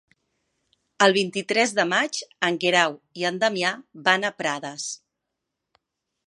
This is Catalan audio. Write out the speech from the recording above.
El vint-i-tres de maig en Guerau i en Damià van a Prades.